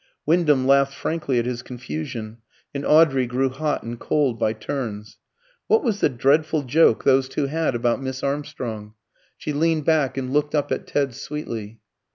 Wyndham laughed frankly at his confusion, and Audrey grew hot and cold by turns. What was the dreadful joke those two had about Miss Armstrong? She leaned back and looked up at Ted sweetly.